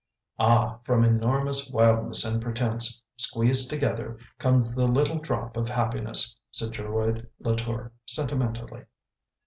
"" Ah, from enormous wildness and pretence, squeezed together, comes the little drop of happiness," said Geroid Latour, sentimentally.